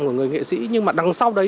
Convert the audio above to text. của người nghệ sĩ nhưng mà đằng sau đấy